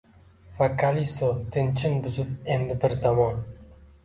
Va kaliso tinchin buzib endi bir zamon